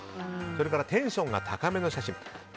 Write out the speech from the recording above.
それからテンションが高めの写真。